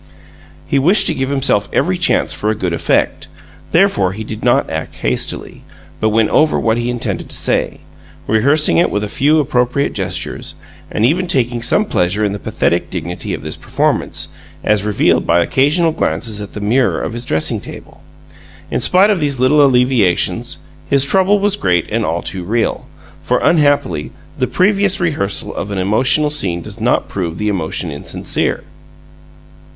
He wished to give himself every chance for a good effect; therefore, he did not act hastily, but went over what he intended to say, rehearsing it with a few appropriate gestures, and even taking some pleasure in the pathetic dignity of this performance, as revealed by occasional glances at the mirror of his dressing table. In spite of these little alleviations, his trouble was great and all too real, for, unhappily, the previous rehearsal of an emotional scene does not prove the emotion insincere.